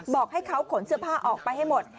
บอกให้เขาขนเสื้อผ้าออกไปให้หมด